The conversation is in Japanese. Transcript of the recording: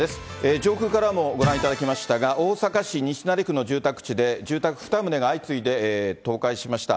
上空からもご覧いただきましたが、大阪市西成区の住宅地で、住宅２棟が相次いで倒壊しました。